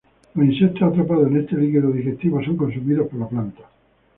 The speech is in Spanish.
Los insectos atrapados en este líquido digestivo son consumidos por la planta.